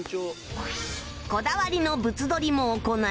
こだわりの物撮りも行い